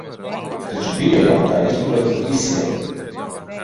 Taču birojā tā izturos pret visiem.